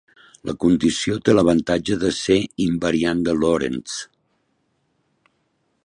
La condició té l'avantatge de ser invariant de Lorentz.